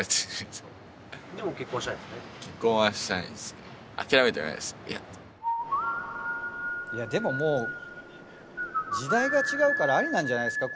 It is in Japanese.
よく話すのがいやでももう時代が違うからありなんじゃないですか？